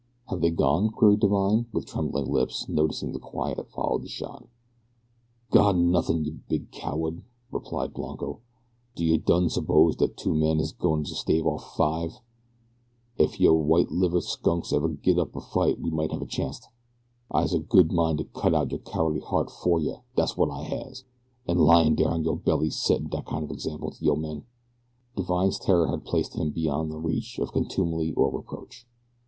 "Have they gone?" queried Divine, with trembling lips, noticing the quiet that followed the shot. "Gone nothin', yo big cowahd," replied Blanco. "Do yo done suppose dat two men is a gwine to stan' off five? Ef yo white livered skunks 'ud git up an' fight we might have a chanct. I'se a good min' to cut out yo cowahdly heart fer yo, das wot I has a lyin' der on yo belly settin' dat kin' o' example to yo men!" Divine's terror had placed him beyond the reach of contumely or reproach.